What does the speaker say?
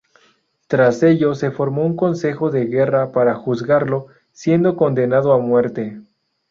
Tras ello se formó un Consejo de Guerra para juzgarlo, siendo condenado a muerte.